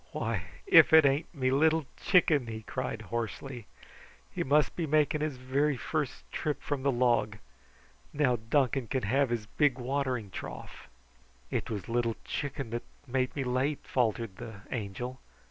"Why, if it ain't me Little Chicken!" he cried hoarsely. "He must be making his very first trip from the log. Now Duncan can have his big watering trough." "It was Little Chicken that made me late," faltered the Angel.